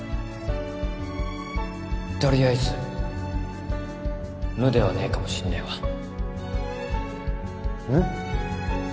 とりあえず無ではねえかもしんねえわむ？